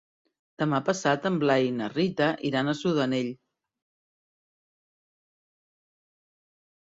Demà passat en Blai i na Rita iran a Sudanell.